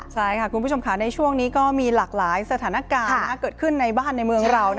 ใช่ค่ะคุณผู้ชมค่ะในช่วงนี้ก็มีหลากหลายสถานการณ์เกิดขึ้นในบ้านในเมืองเรา